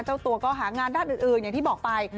เจ้าตัวก็หางานด้านอื่นอย่างที่บอกไป